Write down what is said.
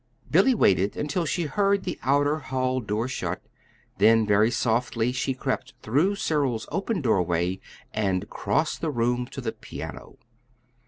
Billy waited until she heard the outer hall door shut; then very softly she crept through Cyril's open doorway, and crossed the room to the piano.